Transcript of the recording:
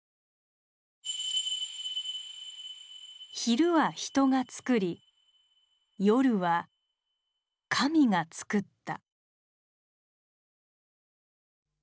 「昼は人がつくり夜は神がつくった」。